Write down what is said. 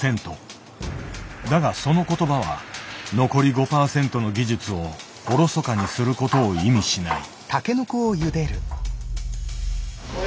だがその言葉は残り５％の技術をおろそかにすることを意味しない。